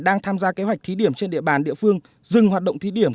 đang tham gia kế hoạch thí điểm trên địa bàn địa phương dừng hoạt động thí điểm